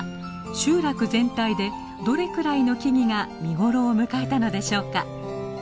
集落全体でどれくらいの木々が見頃を迎えたのでしょうか。